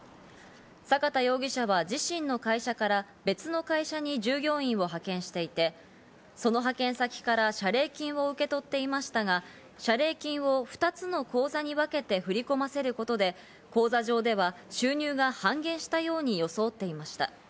坂田容疑者は自身の会社から別の会社に従業員を派遣していてその派遣先から謝礼金を受け取っていましたが、謝礼金を２つの口座に分けて振り込ませることで口座上では収入が半減したように装っていました。